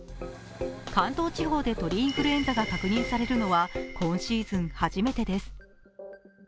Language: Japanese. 関東地方で鳥インフルエンザが確認されるのは今シーズン初めてです。